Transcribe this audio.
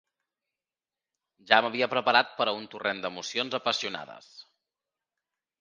Ja m'havia preparat per a un torrent d'emocions apassionades.